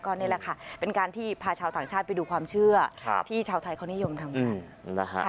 นี่แหละค่ะเป็นการที่พาชาวต่างชาติไปดูความเชื่อที่ชาวไทยเขานิยมทำกันนะฮะ